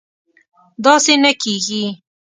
داسې نه کېږي